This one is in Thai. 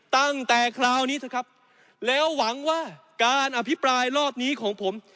ตั้งแต่คราวนี้เถอะครับแล้วหวังว่าการอภิปรายรอบนี้ของผม